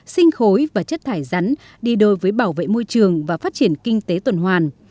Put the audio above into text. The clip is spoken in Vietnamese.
sinh khối và chất thải rắn đi đôi với bảo vệ môi trường và phát triển kinh tế tuần hoàn